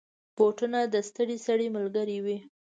بوټونه د ستړي سړي ملګری وي.